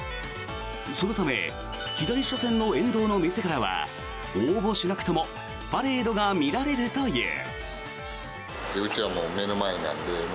そのため左車線の沿道の店からは応募しなくてもパレードが見られるという。